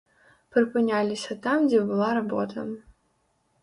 Прыпыняліся там, дзе была работа.